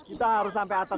kita harus sampai atas sana